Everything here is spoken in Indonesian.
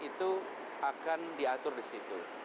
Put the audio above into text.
itu akan diatur di situ